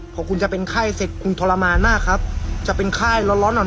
พอคุณจะเป็นไข้เสร็จคุณทรมานมากครับจะเป็นไข้ร้อนร้อนอ่อน